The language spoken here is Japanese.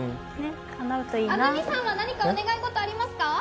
安住さんは何かお願い事ありますか？